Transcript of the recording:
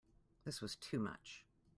This was too much.